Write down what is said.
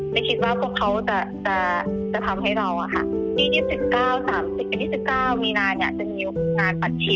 ไม่คิดว่าพวกเขาจะจะจะทำให้เราค่ะที่๒๙๓๐๒๙มีนานจะมีบทงานปัดชิม